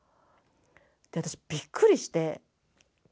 私びっくりして。